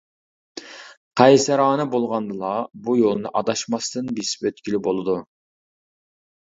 قەيسەرانە بولغاندىلا، بۇ يولنى ئاداشماستىن بېسىپ ئۆتكىلى بولىدۇ.